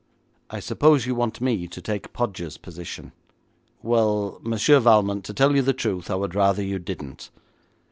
'I suppose you want me to take Podgers' position?' 'Well, Monsieur Valmont, to tell you the truth, I would rather you didn't.